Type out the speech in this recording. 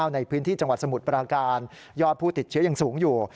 ในพื้นที่จังหวัดสมุทรปราการยอดผู้ติดเชื้อยังสูงอยู่